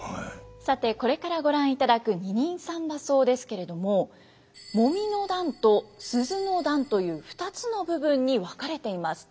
さてこれからご覧いただく「二人三番叟」ですけれども「揉の段」と「鈴の段」という２つの部分に分かれています。